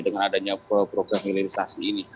dengan adanya program hilirisasi ini